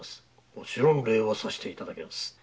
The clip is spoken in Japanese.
もちろん礼はさせていただきます。